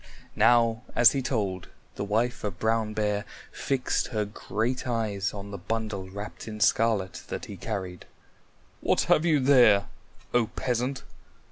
Now as he told, the wife of Brown Bear fixed her great eyes on the bundle wrapped in scarlet that he carried. "What have you there, O Peasant?"